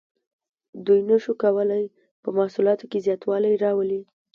دوی نشو کولی په محصولاتو کې زیاتوالی راولي.